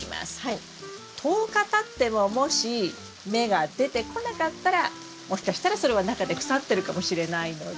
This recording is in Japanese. １０日たってももし芽が出てこなかったらもしかしたらそれは中で腐ってるかもしれないので。